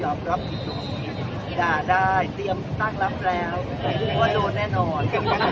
อยากหน้าได้เตรียมต้านลับแล้วว่าโดนแน่นอน